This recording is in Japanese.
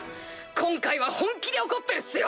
今回は本気で怒ってるっすよ！